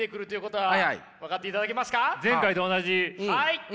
はい。